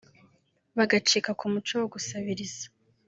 bagacika ku muco wo gusabiriza